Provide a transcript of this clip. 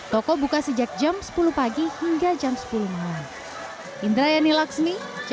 toko buka sejak jam sepuluh pagi hingga jam sepuluh malam